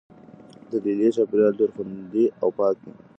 د لیلیې چاپیریال ډیر خوندي او پاک دی.